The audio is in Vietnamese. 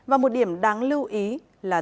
và một điểm đáng lưu ý là